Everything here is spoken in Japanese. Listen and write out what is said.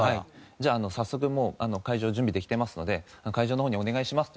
「じゃあ早速もう会場準備できてますので会場の方にお願いします」って。